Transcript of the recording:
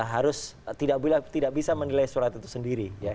harus tidak bisa menilai surat itu sendiri